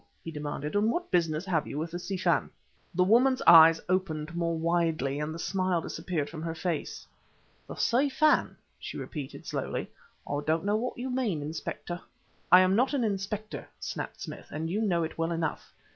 he demanded; "and what business have you with the Si Fan?" The woman's eyes opened more widely, and the smile disappeared from her face. "The Si Fan!" she repeated slowly. "I don't know what you mean, Inspector." "I am not an Inspector," snapped Smith, "and you know it well enough.